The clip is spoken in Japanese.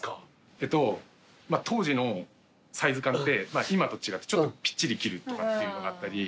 えっと当時のサイズ感って今と違ってちょっとぴっちり着るとかっていうのがあったり。